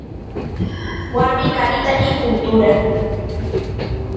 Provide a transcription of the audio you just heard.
warmi qarita nipun tura